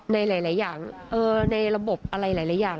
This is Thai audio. หลายอย่างในระบบอะไรหลายอย่าง